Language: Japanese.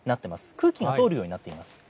空気が通るようになっています。